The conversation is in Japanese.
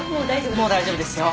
もう大丈夫ですよ。